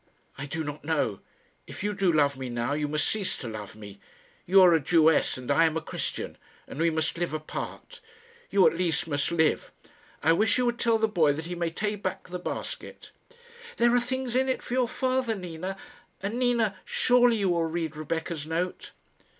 "I do not know. If you do love me now, you must cease to love me. You are a Jewess, and I am a Christian, and we must live apart. You, at least, must live. I wish you would tell the boy that he may take back the basket." "There are things in it for your father, Nina; and, Nina, surely you will read Rebecca's note?"